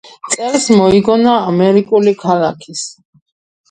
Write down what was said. წელს მოიგონა ამერიკული ქალაქის